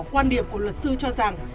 quan điểm của luật sư cho rằng